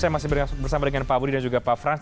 saya masih bersama dengan pak budi dan juga pak frans